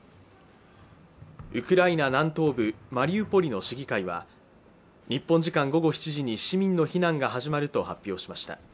ウクライナ南東部マリウポリの市議会は、日本時間午後７時に市民の避難が始まると発表しました。